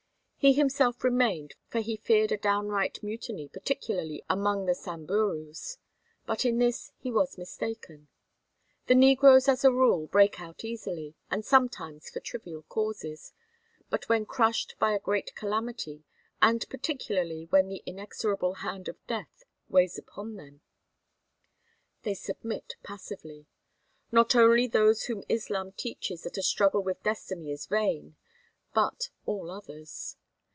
He himself remained, for he feared a downright mutiny, particularly among the Samburus. But in this he was mistaken. The negroes as a rule break out easily, and sometimes for trivial causes, but when crushed by a great calamity and particularly when the inexorable hand of death weighs upon them, they submit passively; not only those whom Islam teaches that a struggle with destiny is vain, but all others.